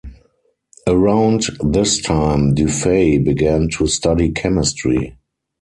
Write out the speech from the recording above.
Around this time du Fay began to study chemistry.